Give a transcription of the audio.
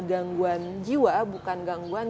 gangguan jiwa bukan gangguan